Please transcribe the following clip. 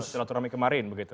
sampai cerah turami kemarin begitu